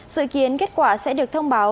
dự kiến kết quả sẽ được thông báo